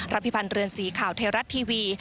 พิพันธ์เรือนสีข่าวไทยรัฐทีวี